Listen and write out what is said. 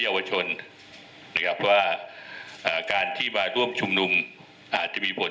เยาวชนนะครับว่าอ่าการที่มาร่วมชุมนุมอาจจะมีผล